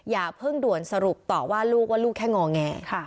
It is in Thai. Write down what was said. อย่าเพิ่งด่วนสรุปต่อว่าลูกว่าลูกแค่งอแง